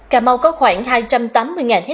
cà mau có khoảng hai trăm tám mươi ha